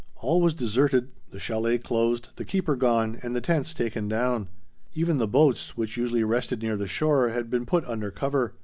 All was deserted; the chalet closed, the keeper gone, and the tents taken down. Even the boats, which usually rested near the shore, had been put under cover.